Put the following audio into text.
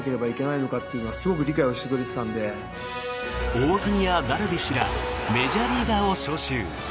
大谷やダルビッシュらメジャーリーガーを招集。